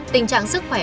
tình trạng sức khỏe